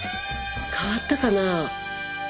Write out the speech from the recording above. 変わったかな？